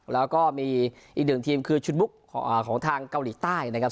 แล้วก็มีอีกหนึ่งทีมคือชุดบุ๊กของทางเกาหลีใต้นะครับ